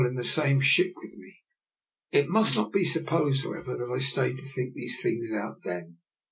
99 in the same ship with me. It must not be supposed, however, that I stayed to think these things out then.